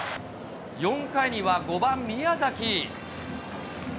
４回には５番宮崎。